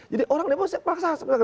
jadi orang demo saya paksa